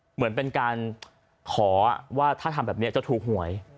เหมือนเป็นการขอว่าถ้าทำแบบนี้จะถูกหวย